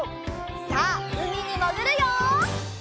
さあうみにもぐるよ！